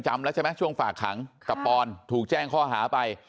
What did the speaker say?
จำแล้วใช่ไหมช่วงฝากขังกับปอนถูกแจ้งข้อหาไป